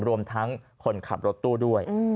รวมทั้งคนขับรถตู้ด้วย